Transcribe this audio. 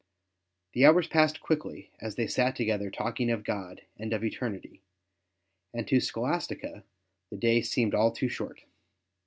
The hours passed quickly as they sat together talking of God and of Eternity, and to Scholastica the day seemed all too short.